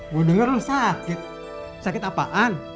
gue denger lu sakit sakit apaan